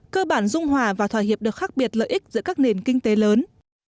cơ bản dung hòa và thỏa hiệp được khác biệt lợi ích giữa các nền kinh tế lớn